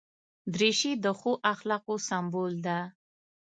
دریشي د ښو اخلاقو سمبول ده.